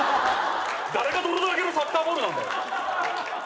誰が泥だらけのサッカーボールなんだよ！